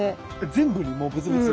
全部にもうブツブツ？